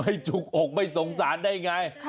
เอ้าที่ไม่จุ๊บอกไม่สงสารได้ไง